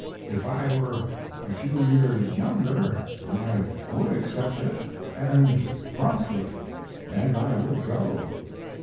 If I were a few years younger I would accept it, and promptly, and I would go.